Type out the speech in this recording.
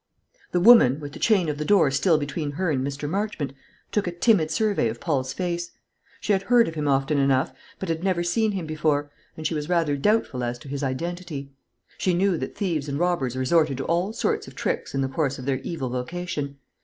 The woman, with the chain of the door still between her and Mr. Marchmont, took a timid survey of Paul's face. She had heard of him often enough, but had never seen him before, and she was rather doubtful as to his identity. She knew that thieves and robbers resorted to all sorts of tricks in the course of their evil vocation.